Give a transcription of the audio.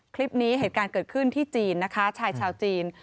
เหตุการณ์เกิดขึ้นที่จีนนะคะชายชาวจีน